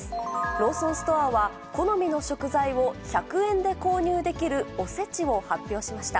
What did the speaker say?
ローソンストアは、好みの具材を１００円で購入できるおせちを発表しました。